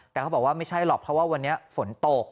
แต่เขาบอกว่าไม่ใช่หรอกเพราะว่าวันนี้ฝนตก